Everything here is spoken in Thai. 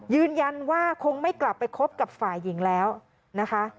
ยังคงไม่กลับไปคบกับฝ่ายหญิงแล้วนะคะ